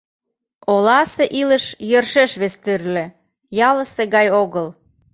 Оласе илыш йӧршеш вес тӱрлӧ, ялысе гай огыл.